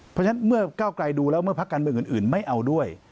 เพราะฉะนั้นเมื่อก้าวไกลดูแล้วเมื่อพักการเมืองอื่นไม่เอาด้วย